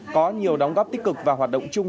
có nhiều đóng góp tích cực và hoạt động chung